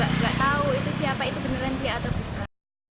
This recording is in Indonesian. tidak tahu itu siapa itu beneran dia atau bukan